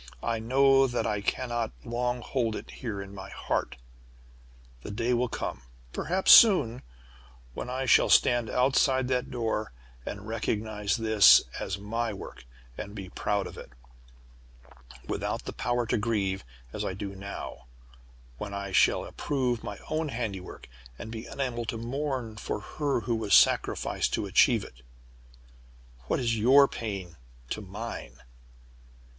I know that I cannot long hold it here in my heart. The day will come perhaps soon when I shall stand outside that door, and recognize this as my work, and be proud of it, without the power to grieve, as I do now; when I shall approve my own handiwork, and be unable to mourn for her who was sacrificed to achieve it. What is your pain to mine?"